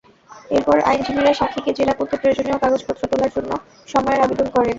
এরপর আইনজীবীরা সাক্ষীকে জেরা করতে প্রয়োজনীয় কাগজপত্র তোলার জন্য সময়ের আবেদন করেন।